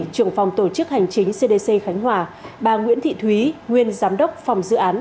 trưởng phòng tổ chức hành chính cdc khánh hòa bà nguyễn thị thúy nguyên giám đốc phòng dự án